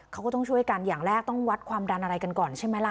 เขาก็ต้องช่วยกันอย่างแรกต้องวัดความดันอะไรกันก่อนใช่ไหมล่ะ